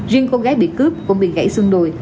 riêng cô gái bị cướp cũng bị gãy xương đồi